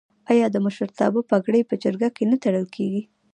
آیا د مشرتابه پګړۍ په جرګه کې نه تړل کیږي؟